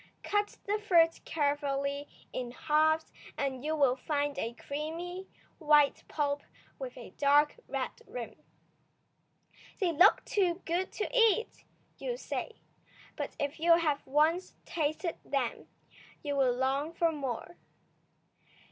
Cut the fruit carefully in halves and you will find a creamy, white pulp, with a dark red rim. "They look too good to eat," you say. But if you have once tasted them, you will long for more.